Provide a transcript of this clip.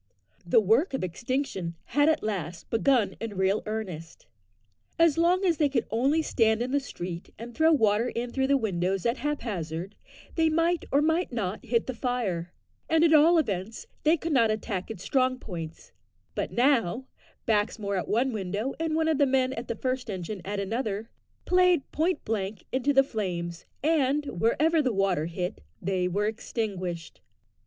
The work of extinction had at last begun in real earnest. As long as they could only stand in the street and throw water in through the windows at haphazard, they might or might not hit the fire and at all events they could not attack its strong points; but now, Baxmore at one window, and one of the men of the first engine at another, played point blank into the flames, and, wherever the water hit, they were extinguished.